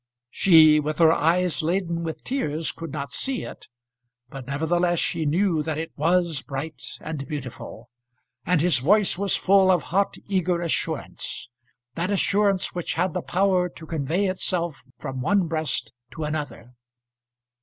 She, with her eyes laden with tears, could not see it; but nevertheless, she knew that it was bright and beautiful. And his voice was full of hot eager assurance, that assurance which had the power to convey itself from one breast to another.